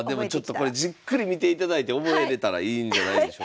じっくり見ていただいて覚えれたらいいんじゃないでしょうか。